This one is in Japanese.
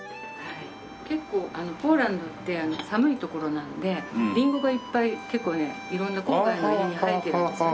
結構ポーランドって寒い所なのでリンゴがいっぱい結構ね色んな郊外の家に生えてるんですよね。